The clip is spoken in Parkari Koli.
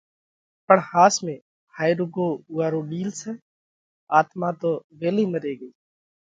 پڻ ۿاس ۾ ھائي رُوڳو اُوئون رو ڏِيل سئہ، آتما تو ويلئِي مري ڳئِيھ!